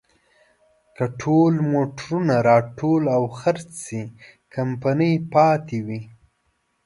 که ټول موټرونه راټول او خرڅ شي، کمپنۍ پاتې وي.